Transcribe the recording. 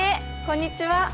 こんにちは！